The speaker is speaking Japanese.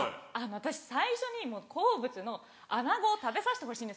私最初にもう好物のアナゴを食べさしてほしいんですよ。